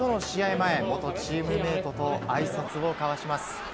前元チームメートとあいさつを交わします。